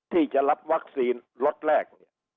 ที่จะรับวัคซีนรถแรก